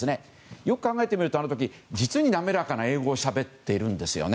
よく考えてみると、実に滑らかな英語をしゃべってるんですね。